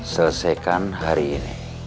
selesaikan hari ini